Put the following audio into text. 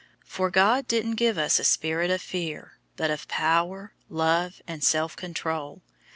001:007 For God didn't give us a spirit of fear, but of power, love, and self control.